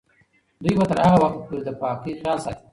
دوی به تر هغه وخته پورې د پاکۍ خیال ساتي.